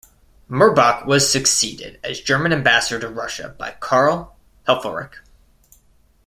Mirbach was succeeded as German ambassador to Russia by Karl Helfferich.